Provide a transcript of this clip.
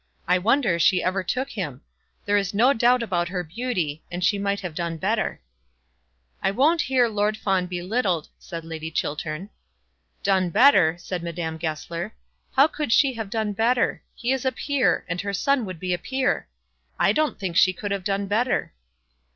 I wonder she ever took him. There is no doubt about her beauty, and she might have done better." "I won't hear Lord Fawn be littled," said Lady Chiltern. "Done better!" said Madame Goesler. "How could she have done better? He is a peer, and her son would be a peer. I don't think she could have done better."